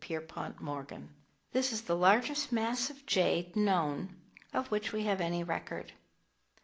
Pierpont Morgan. This is the largest mass of jade known, or of which we have any record.